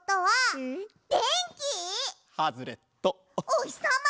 おひさま？